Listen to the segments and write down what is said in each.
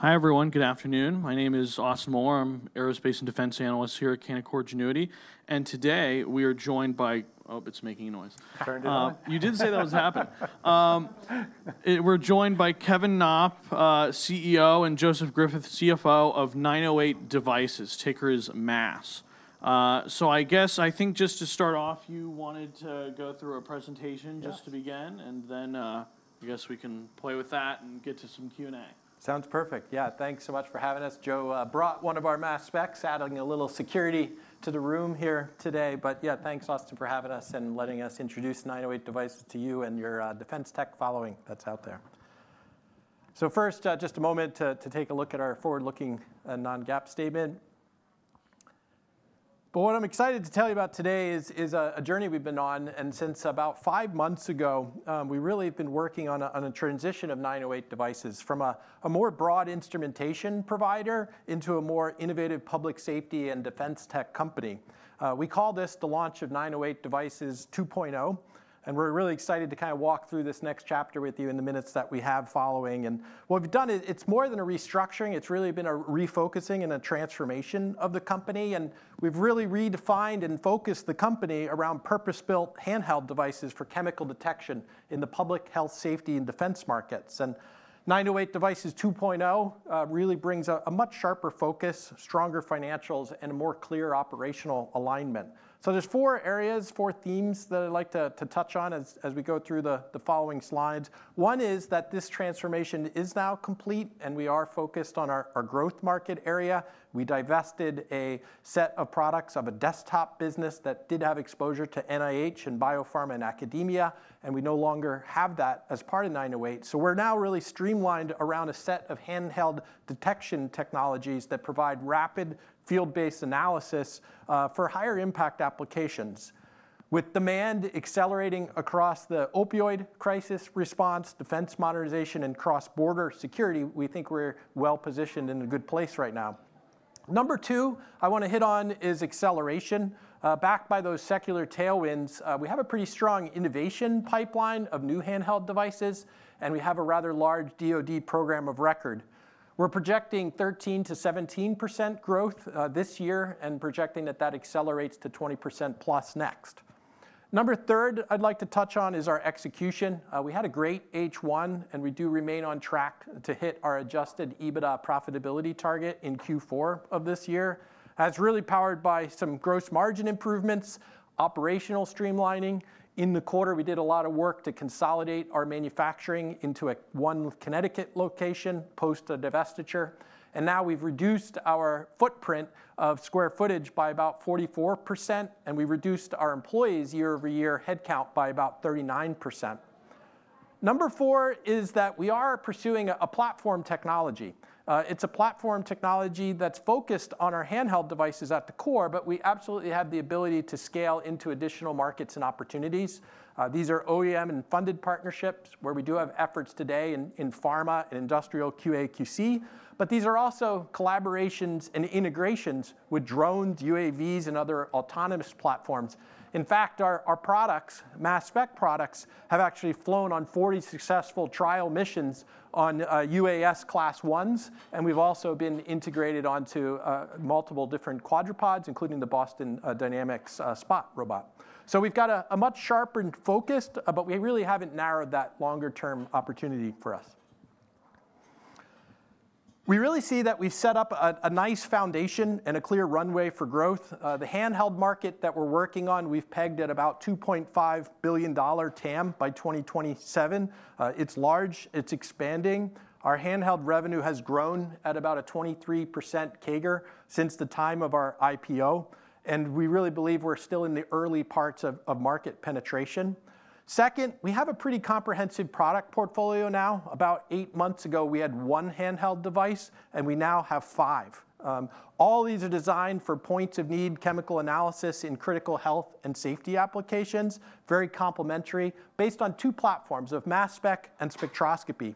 Hi everyone, good afternoon. My name is Austin Moeller. I'm an Aerospace and Defense Analyst here at Canaccord Genuity. Today we are joined by, oh, it's making a noise. You did say that was happening. We're joined by Kevin Knopp, CEO, and Joseph Griffith, CFO of 908 Devices, [takers mass]. I think just to start off, you wanted to go through a presentation just to begin, and then I guess we can play with that and get to some Q&A. Sounds perfect. Yeah, thanks so much for having us. Joe brought one of our mass specs, adding a little security to the room here today. Yeah, thanks Austin for having us and letting us introduce 908 Devices to you and your defense tech following that's out there. First, just a moment to take a look at our forward-looking non-GAAP statement. What I'm excited to tell you about today is a journey we've been on, and since about five months ago, we really have been working on a transition of 908 Devices from a more broad instrumentation provider into a more innovative public safety and defense tech company. We call this the launch of 908 Devices 2.0, and we're really excited to kind of walk through this next chapter with you in the minutes that we have following. What we've done is it's more than a restructuring. It's really been a refocusing and a transformation of the company, and we've really redefined and focused the company around purpose-built handheld devices for chemical detection in the public health, safety, and defense markets. 908 Devices 2.0 really brings a much sharper focus, stronger financials, and a more clear operational alignment. There are four areas, four themes that I'd like to touch on as we go through the following slides. One is that this transformation is now complete, and we are focused on our growth market area. We divested a set of products of a desktop business that did have exposure to NIH and biopharma and academia, and we no longer have that as part of 908. We are now really streamlined around a set of handheld detection technologies that provide rapid field-based analysis for higher impact applications. With demand accelerating across the opioid crisis response, defense modernization, and cross-border security, we think we're well positioned in a good place right now. Number two I want to hit on is acceleration. Backed by those secular tailwinds, we have a pretty strong innovation pipeline of new handheld devices, and we have a rather large DoD program of record. We're projecting 13%-17% growth this year and projecting that that accelerates to 20%+ next. Number third I'd like to touch on is our execution. We had a great H1, and we do remain on track to hit our adjusted EBITDA profitability target in Q4 of this year, as really powered by some gross margin improvements, operational streamlining. In the quarter, we did a lot of work to consolidate our manufacturing into one Connecticut location post divestiture, and now we've reduced our footprint of square footage by about 44%, and we reduced our employees' year-over-year headcount by about 39%. Number four is that we are pursuing a platform technology. It's a platform technology that's focused on our handheld devices at the core, but we absolutely have the ability to scale into additional markets and opportunities. These are OEM and funded partnerships where we do have efforts today in pharma and industrial QA/QC, but these are also collaborations and integrations with drones, UAVs, and other autonomous platforms. In fact, our products, mass spec products, have actually flown on 40 successful trial missions on UAS class Is, and we've also been integrated onto multiple different quadrupeds, including the Boston Dynamics Spot robot. We've got a much sharpened focus, but we really haven't narrowed that longer-term opportunity for us. We really see that we've set up a nice foundation and a clear runway for growth. The handheld market that we're working on, we've pegged at about $2.5 billion TAM by 2027. It's large, it's expanding. Our handheld revenue has grown at about a 23% CAGR since the time of our IPO, and we really believe we're still in the early parts of market penetration. Second, we have a pretty comprehensive product portfolio now. About eight months ago, we had one handheld device, and we now have five. All these are designed for points of need chemical analysis in critical health and safety applications, very complementary, based on two platforms of mass spec and spectroscopy.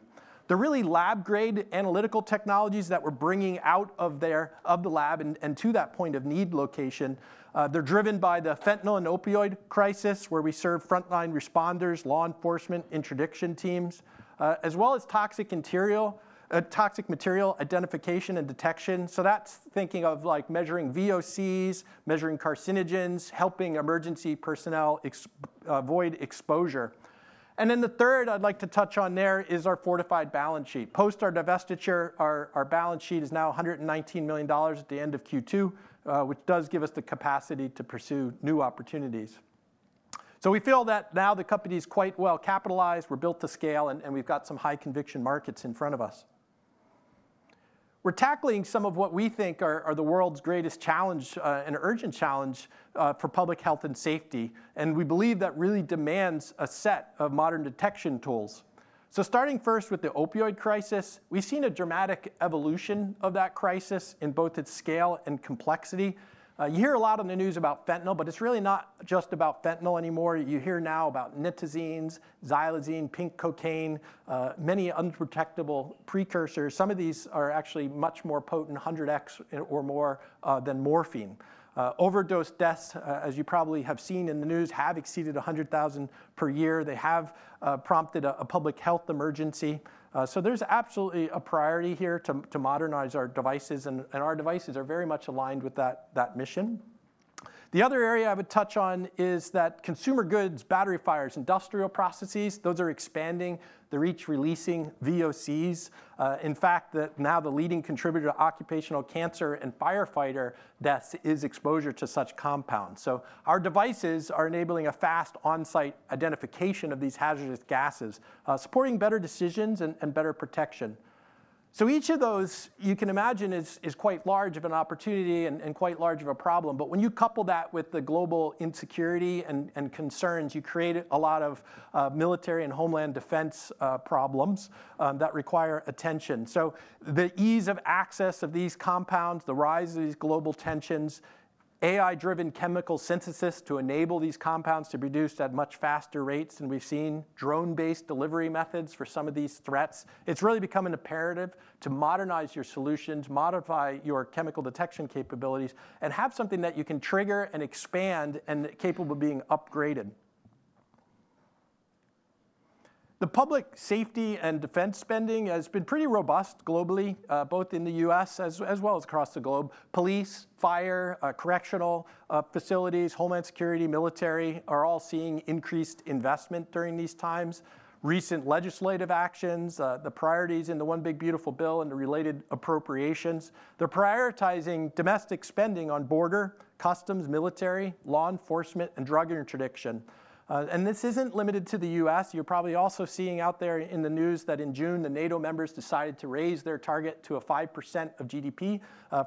They're really lab-grade analytical technologies that we're bringing out of the lab and to that point of need location. They're driven by the fentanyl and opioid crisis where we serve frontline responders, law enforcement, and interdiction teams, as well as toxic material identification and detection. That's thinking of like measuring VOCs, measuring carcinogens, helping emergency personnel avoid exposure. The third I'd like to touch on there is our fortified balance sheet. Post our divestiture, our balance sheet is now $119 million at the end of Q2, which does give us the capacity to pursue new opportunities. We feel that now the company is quite well capitalized. We're built to scale, and we've got some high conviction markets in front of us. We're tackling some of what we think are the world's greatest challenge and urgent challenge for public health and safety, and we believe that really demands a set of modern detection tools. Starting first with the opioid crisis, we've seen a dramatic evolution of that crisis in both its scale and complexity. You hear a lot in the news about fentanyl, but it's really not just about fentanyl anymore. You hear now about nitazines, xylazine, pink cocaine, many unprotectible precursors. Some of these are actually much more potent, 100x or more than morphine. Overdose deaths, as you probably have seen in the news, have exceeded 100,000 per year. They have prompted a public health emergency. There's absolutely a priority here to modernize our devices, and our devices are very much aligned with that mission. The other area I would touch on is that consumer goods, battery fires, industrial processes, those are expanding. They're each releasing VOCs. In fact, now the leading contributor to occupational cancer and firefighter deaths is exposure to such compounds. Our devices are enabling a fast on-site identification of these hazardous gases, supporting better decisions and better protection. Each of those, you can imagine, is quite large of an opportunity and quite large of a problem. When you couple that with the global insecurity and concerns, you create a lot of military and homeland defense problems that require attention. The ease of access of these compounds, the rise of these global tensions, AI-driven chemical synthesis to enable these compounds to be produced at much faster rates, and we've seen drone-based delivery methods for some of these threats. It's really becoming imperative to modernize your solutions, modify your chemical detection capabilities, and have something that you can trigger and expand and capable of being upgraded. The public safety and defense spending has been pretty robust globally, both in the U.S. as well as across the globe. Police, fire, correctional facilities, homeland security, military are all seeing increased investment during these times. Recent legislative actions, the priorities in the One Big Beautiful Bill and the related appropriations, they're prioritizing domestic spending on border, customs, military, law enforcement, and drug interdiction. This isn't limited to the U.S. You're probably also seeing out there in the news that in June, the NATO members decided to raise their target to a 5% of GDP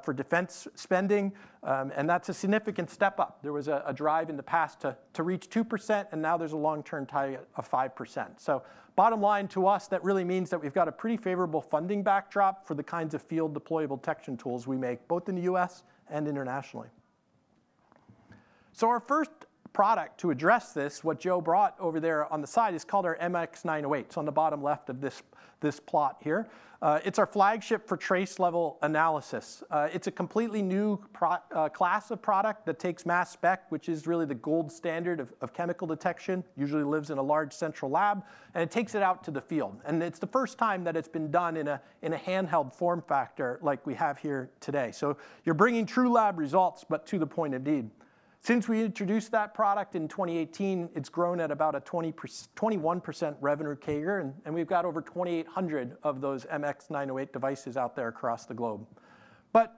for defense spending, and that's a significant step up. There was a drive in the past to reach 2%, and now there's a long-term target of 5%. Bottom line to us, that really means that we've got a pretty favorable funding backdrop for the kinds of field deployable detection tools we make, both in the U.S. and internationally. Our first product to address this, what Joe brought over there on the side, is called our MX908. It's on the bottom left of this plot here. It's our flagship for trace-level analysis. It's a completely new class of product that takes mass spec, which is really the gold standard of chemical detection, usually lives in a large central lab, and it takes it out to the field. It's the first time that it's been done in a handheld form factor like we have here today. You're bringing true lab results, but to the point indeed. Since we introduced that product in 2018, it's grown at about a 21% revenue CAGR, and we've got over 2,800 of those MX908 devices out there across the globe.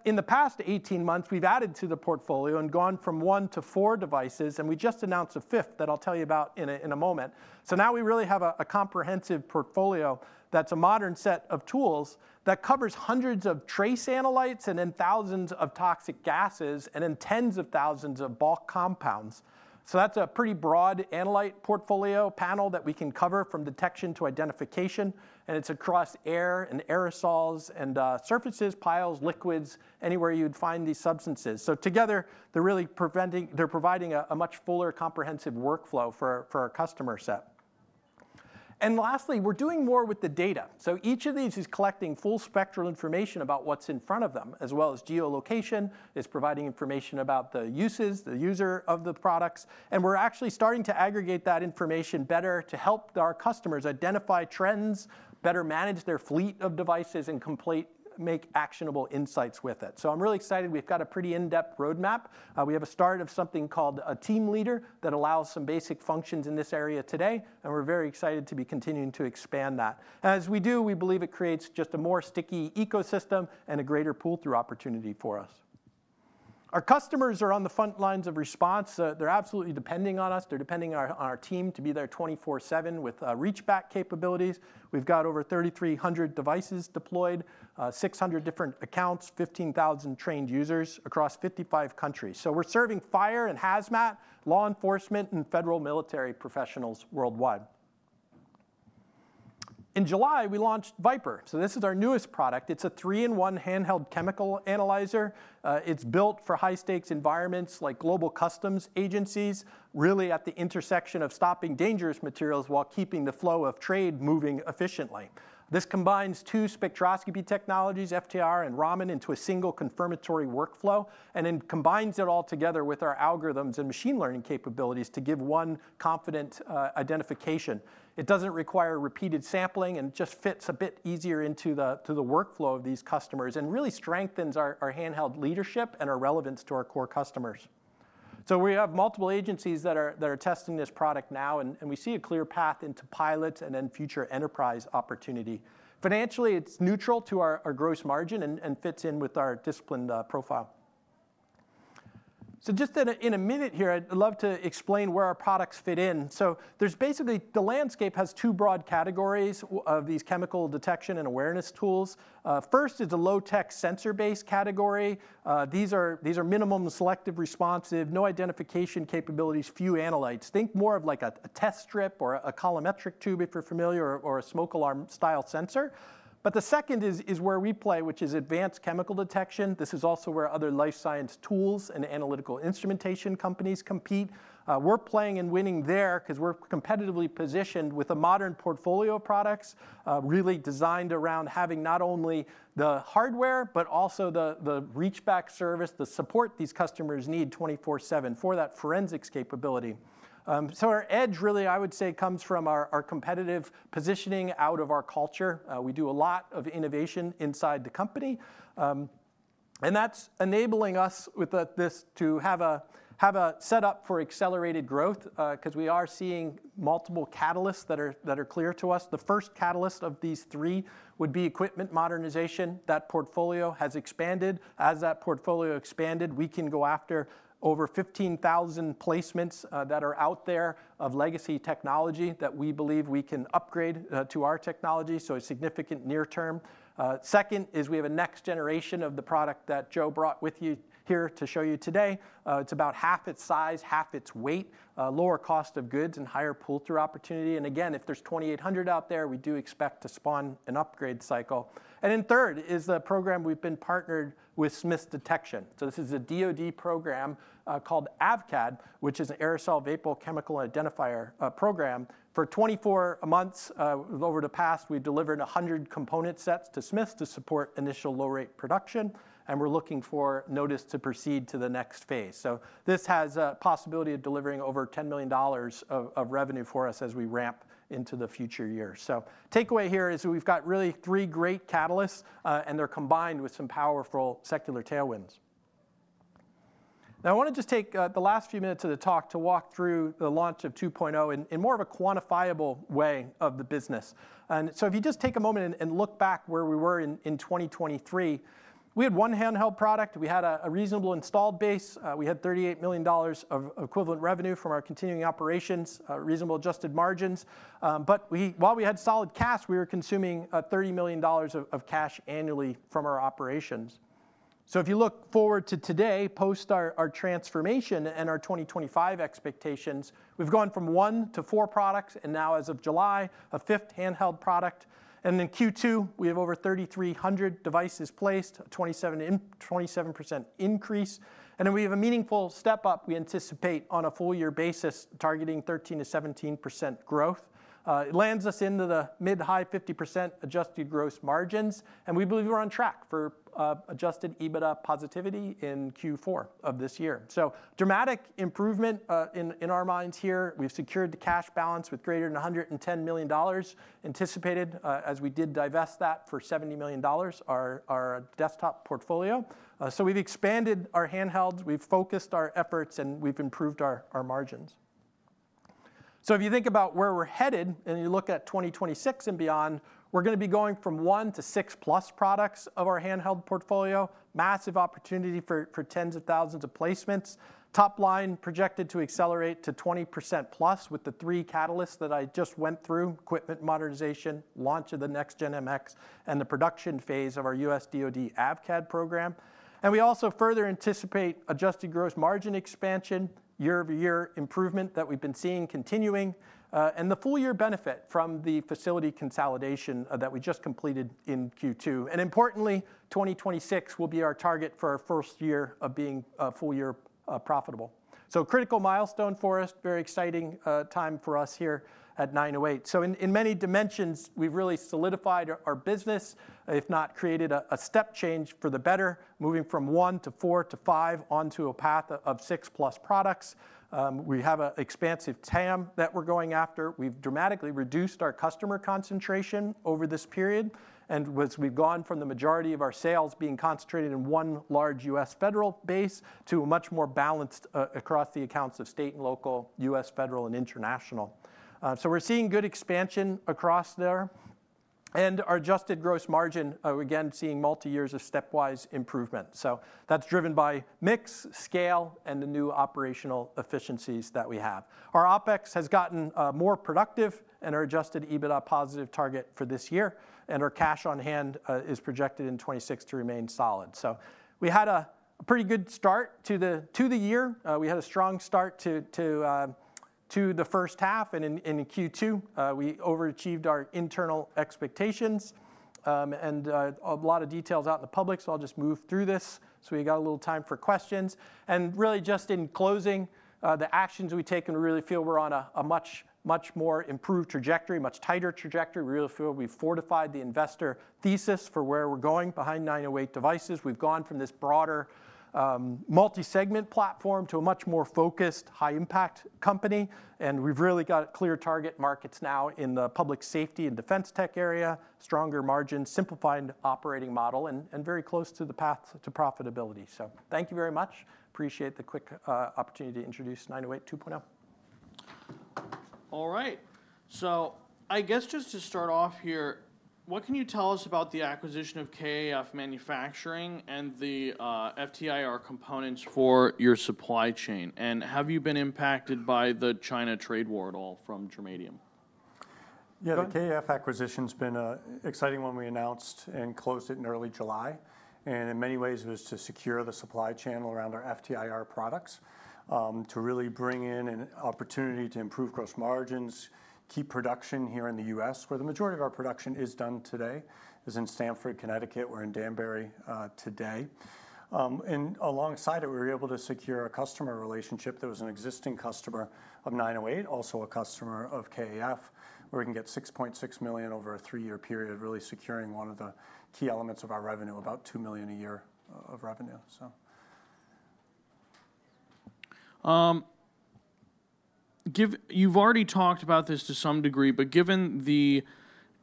In the past 18 months, we've added to the portfolio and gone from one to four devices, and we just announced a fifth that I'll tell you about in a moment. Now we really have a comprehensive portfolio that's a modern set of tools that covers hundreds of trace analytes and then thousands of toxic gases and then tens of thousands of bulk compounds. That's a pretty broad analyte portfolio panel that we can cover from detection to identification, and it's across air and aerosols and surfaces, piles, liquids, anywhere you'd find these substances. Together, they're really providing a much fuller comprehensive workflow for our customer set. Lastly, we're doing more with the data. Each of these is collecting full spectral information about what's in front of them, as well as geolocation, is providing information about the uses, the user of the products, and we're actually starting to aggregate that information better to help our customers identify trends, better manage their fleet of devices, and completely make actionable insights with it. I'm really excited. We've got a pretty in-depth roadmap. We have a start of something called a team leader that allows some basic functions in this area today, and we're very excited to be continuing to expand that. As we do, we believe it creates just a more sticky ecosystem and a greater pull-through opportunity for us. Our customers are on the front lines of response. They're absolutely depending on us. They're depending on our team to be there 24/7 with reach-back capabilities. We've got over 3,300 devices deployed, 600 different accounts, 15,000 trained users across 55 countries. We're serving fire and hazmat, law enforcement, and federal military professionals worldwide. In July, we launched VipIR. This is our newest product. It's a three-in-one handheld chemical analyzer. It's built for high-stakes environments like global customs agencies, really at the intersection of stopping dangerous materials while keeping the flow of trade moving efficiently. This combines two spectroscopy technologies, FTIR and Raman, into a single confirmatory workflow, and then combines it all together with our algorithms and machine learning capabilities to give one confident identification. It doesn't require repeated sampling, and it just fits a bit easier into the workflow of these customers and really strengthens our handheld leadership and our relevance to our core customers. We have multiple agencies that are testing this product now, and we see a clear path into pilots and then future enterprise opportunity. Financially, it's neutral to our gross margin and fits in with our discipline profile. In just a minute here, I'd love to explain where our products fit in. There's basically the landscape has two broad categories of these chemical detection and awareness tools. First is a low-tech sensor-based category. These are minimum selective responsive, no identification capabilities, few analytes. Think more of like a test strip or a colorimetric tube if you're familiar or a smoke alarm style sensor. The second is where we play, which is advanced chemical detection. This is also where other life science tools and analytical instrumentation companies compete. We're playing and winning there because we're competitively positioned with a modern portfolio of products really designed around having not only the hardware, but also the reach-back service, the support these customers need 24/7 for that forensics capability. Our edge really, I would say, comes from our competitive positioning out of our culture. We do a lot of innovation inside the company, and that's enabling us with this to have a setup for accelerated growth because we are seeing multiple catalysts that are clear to us. The first catalyst of these three would be equipment modernization. That portfolio has expanded. As that portfolio expanded, we can go after over 15,000 placements that are out there of legacy technology that we believe we can upgrade to our technology. A significant near-term. Second is we have a next generation of the product that Joe brought with you here to show you today. It's about half its size, half its weight, lower cost of goods, and higher pull-through opportunity. If there's 2,800 out there, we do expect to spawn an upgrade cycle. Third is a program we've been partnered with Smiths Detection. This is a DoD program called AVCAD, which is an aerosol vapor chemical identifier program. For 24 months over the past, we delivered 100 component sets to Smiths to support initial low-rate production, and we're looking for notice to proceed to the next phase. This has a possibility of delivering over $10 million of revenue for us as we ramp into the future years. The takeaway here is we've got really three great catalysts, and they're combined with some powerful secular tailwinds. I want to just take the last few minutes of the talk to walk through the launch of 2.0 in more of a quantifiable way of the business. If you just take a moment and look back where we were in 2023, we had one handheld product. We had a reasonable installed base. We had $38 million of equivalent revenue from our continuing operations, reasonable adjusted margins. While we had solid cash, we were consuming $30 million of cash annually from our operations. If you look forward to today, post our transformation and our 2025 expectations, we've gone from one to four products, and now as of July, a fifth handheld product. In Q2, we have over 3,300 devices placed, a 27% increase. We have a meaningful step up we anticipate on a full-year basis, targeting 13%-17% growth. It lands us into the mid-high 50% adjusted gross margins, and we believe we're on track for adjusted EBITDA positivity in Q4 of this year. Dramatic improvement in our minds here. We've secured the cash balance with greater than $110 million anticipated as we did divest that for $70 million, our desktop portfolio. We've expanded our handhelds, we've focused our efforts, and we've improved our margins. If you think about where we're headed and you look at 2026 and beyond, we're going to be going from one to six plus products of our handheld portfolio, massive opportunity for tens of thousands of placements, top line projected to accelerate to 20%+ with the three catalysts that I just went through: equipment modernization, launch of the next-gen MX, and the production phase of our U.S. DoD AVCAD program. We also further anticipate adjusted gross margin expansion, year-over-year improvement that we've been seeing continuing, and the full-year benefit from the facility consolidation that we just completed in Q2. Importantly, 2026 will be our target for our first year of being full-year profitable. Critical milestone for us, very exciting time for us here at 908. In many dimensions, we've really solidified our business, if not created a step change for the better, moving from one to four to five onto a path of six plus products. We have an expansive total addressable market that we're going after. We've dramatically reduced our customer concentration over this period. As we've gone from the majority of our sales being concentrated in one large U.S. federal base to a much more balanced across the accounts of state and local, U.S. federal, and international. We're seeing good expansion across there. Our adjusted gross margin, again, seeing multi-years of stepwise improvement. That's driven by mix, scale, and the new operational efficiencies that we have. Our OpEx has gotten more productive and our adjusted EBITDA positive target for this year, and our cash on hand is projected in 2026 to remain solid. We had a pretty good start to the year. We had a strong start to the first half, and in Q2, we overachieved our internal expectations. A lot of details out in the public, so I'll just move through this so we got a little time for questions. Really just in closing, the actions we take and really feel we're on a much, much more improved trajectory, much tighter trajectory. We really feel we've fortified the investor thesis for where we're going behind 908 Devices. We've gone from this broader multi-segment platform to a much more focused high-impact company, and we've really got clear target markets now in the public safety and defense tech area, stronger margins, simplifying the operating model, and very close to the path to profitability. Thank you very much. Appreciate the quick opportunity to introduce 908 2.0. All right. I guess just to start off here, what can you tell us about the acquisition of KAF Manufacturing and the FTIR components for your supply chain? Have you been impacted by the China trade war at all from germanium? Yeah, the KAF acquisition has been an exciting one. We announced and closed it in early July. In many ways, it was to secure the supply chain around our FTIR products, to really bring in an opportunity to improve gross margins, keep production here in the U.S., where the majority of our production is done today. It's in Sanford, Connecticut. We're in Danbury today. Alongside it, we were able to secure a customer relationship. There was an existing customer of 908, also a customer of KAF, where we can get $6.6 million over a three-year period, really securing one of the key elements of our revenue, about $2 million a year of revenue. You've already talked about this to some degree, but given the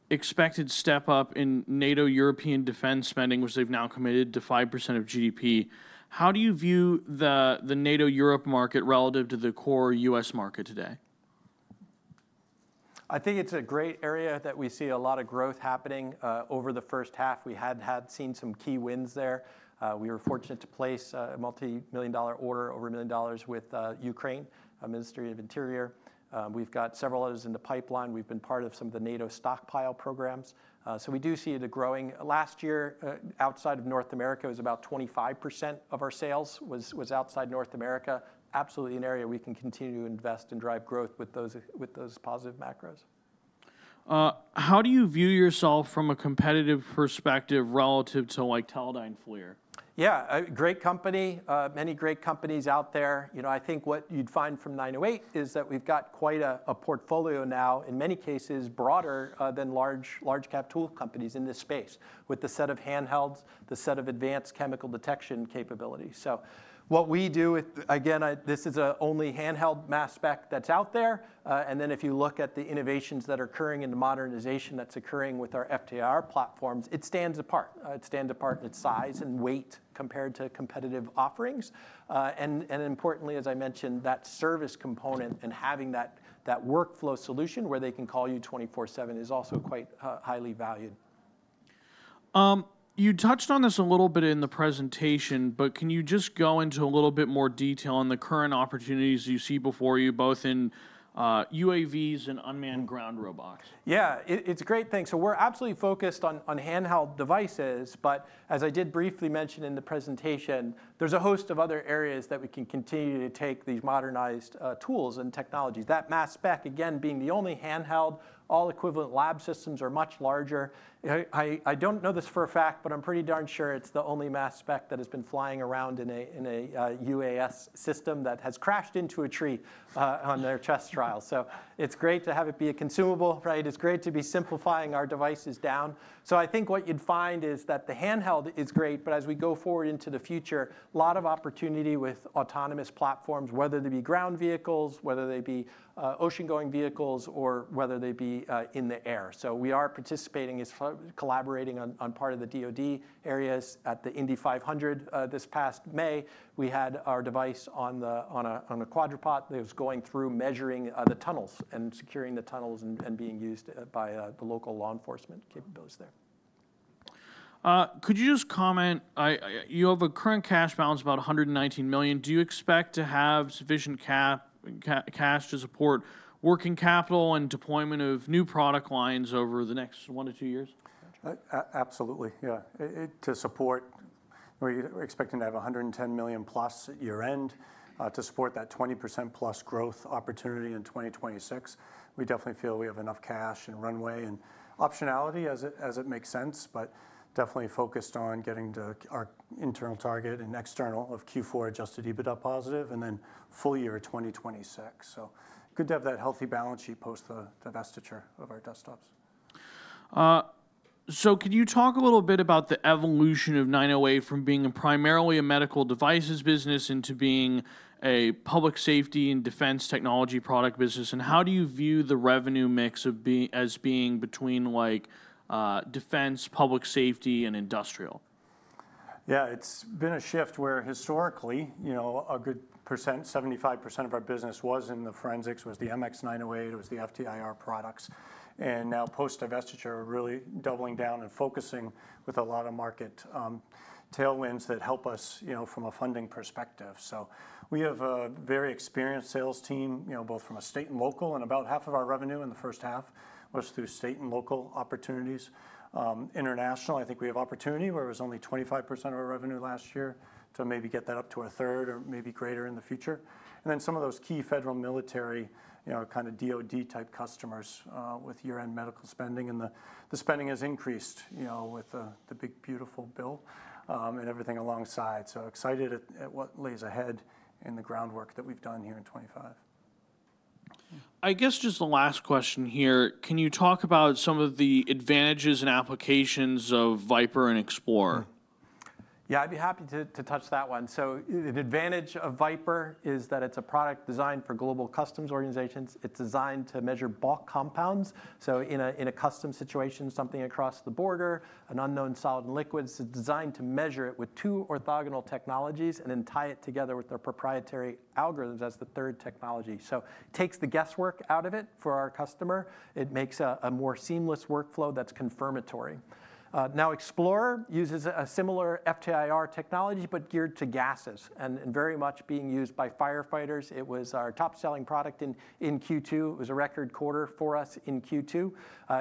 expected step up in NATO European defense spending, which they've now committed to 5% of GDP, how do you view the NATO Europe market relative to the core U.S. market today? I think it's a great area that we see a lot of growth happening over the first half. We had seen some key wins there. We were fortunate to place a multi-million dollar order, over $1 million, with Ukraine, the Ministry of Interior. We've got several others in the pipeline. We have been part of some of the NATO stockpile programs. We do see that growing. Last year, outside of North America, it was about 25% of our sales was outside North America. Absolutely an area we can continue to invest and drive growth with those positive macros. How do you view yourself from a competitive perspective relative to like Teledyne FLIR? Yeah, great company. Many great companies out there. I think what you'd find from 908 is that we've got quite a portfolio now, in many cases, broader than large-cap tool companies in this space, with the set of handhelds, the set of advanced chemical detection capabilities. What we do, again, this is the only handheld mass spec that's out there. If you look at the innovations that are occurring in the modernization that's occurring with our FTIR platforms, it stands apart. It stands apart in its size and weight compared to competitive offerings. Importantly, as I mentioned, that service component and having that workflow solution where they can call you 24/7 is also quite highly valued. You touched on this a little bit in the presentation, but can you just go into a little bit more detail on the current opportunities you see before you, both in UAVs and unmanned ground robots? Yeah, it's a great thing. We're absolutely focused on handheld devices, but as I did briefly mention in the presentation, there's a host of other areas that we can continue to take these modernized tools and technologies. That mass spec, again, being the only handheld, all equivalent lab systems are much larger. I don't know this for a fact, but I'm pretty darn sure it's the only mass spec that has been flying around in a UAS system that has crashed into a tree on their test trial. It's great to have it be a consumable, right? It's great to be simplifying our devices down. I think what you'd find is that the handheld is great, but as we go forward into the future, a lot of opportunity with autonomous platforms, whether they be ground vehicles, whether they be ocean-going vehicles, or whether they be in the air. We are participating and collaborating on part of the DoD areas at the Indy 500 this past May. We had our device on a quadruped that was going through measuring the tunnels and securing the tunnels and being used by the local law enforcement capabilities there. Could you just comment? You have a current cash balance of about $119 million. Do you expect to have sufficient cash to support working capital and deployment of new product lines over the next one to two years? Absolutely, yeah. We're expecting to have $110+ million at year end to support that 20%+ growth opportunity in 2026. We definitely feel we have enough cash and runway and optionality as it makes sense, but definitely focused on getting to our internal target and external of Q4 adjusted EBITDA positive and then full year 2026. Good to have that healthy balance sheet post the divestiture of our desktops. Can you talk a little bit about the evolution of 908 from being primarily a medical devices business into being a public safety and defense technology product business? How do you view the revenue mix as being between like defense, public safety, and industrial? Yeah, it's been a shift where historically, you know, a good percent, 75% of our business was in the forensics, was the MX908, was the FTIR products. Now post-divestiture, really doubling down and focusing with a lot of market tailwinds that help us, you know, from a funding perspective. We have a very experienced sales team, you know, both from a state and local, and about half of our revenue in the first half was through state and local opportunities. International, I think we have opportunity where it was only 25% of our revenue last year to maybe get that up to 1/3 or maybe greater in the future. Some of those key federal military, you know, kind of DoD type customers with year-end medical spending, and the spending has increased, you know, with the big beautiful bill and everything alongside. Excited at what lays ahead in the groundwork that we've done here in 2025. I guess just the last question here. Can you talk about some of the advantages and applications of VipIR and XplorIR? Yeah, I'd be happy to touch that one. The advantage of VipIR is that it's a product designed for global customs organizations. It's designed to measure bulk compounds. In a customs situation, something across the border, an unknown solid and liquids, it's designed to measure it with two orthogonal technologies and then tie it together with their proprietary algorithms as the third technology. It takes the guesswork out of it for our customer. It makes a more seamless workflow that's confirmatory. Now XplorIR uses a similar FTIR technology, but geared to gases and very much being used by firefighters. It was our top selling product in Q2. It was a record quarter for us in Q2.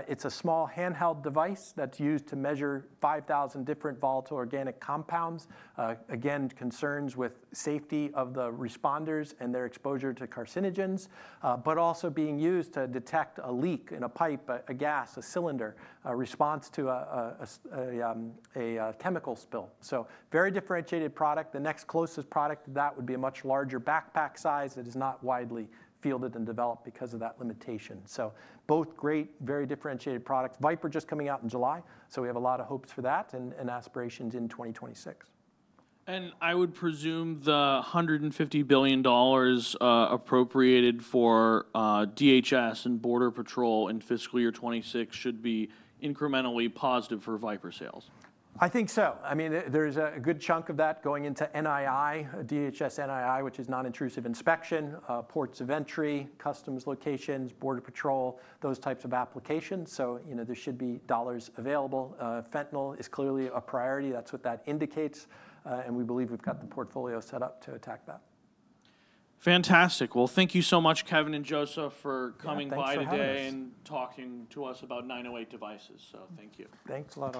It's a small handheld device that's used to measure 5,000 different volatile organic compounds. Again, concerns with safety of the responders and their exposure to carcinogens, but also being used to detect a leak in a pipe, a gas, a cylinder, a response to a chemical spill. Very differentiated product. The next closest product to that would be a much larger backpack size. It is not widely fielded and developed because of that limitation. Both great, very differentiated products. VipIR just coming out in July. We have a lot of hopes for that and aspirations in 2026. I would presume the $150 billion appropriated for DHS and Border Patrol in fiscal year 2026 should be incrementally positive for VipIR sales. I think so. I mean, there's a good chunk of that going into NII, DHS NII, which is non-intrusive inspection, ports of entry, customs locations, Border Patrol, those types of applications. There should be dollars available. Fentanyl is clearly a priority. That's what that indicates. We believe we've got the portfolio set up to attack that. Fantastic. Thank you so much, Kevin and Joseph, for coming by today and talking to us about 908 Devices. Thank you. Thanks, love.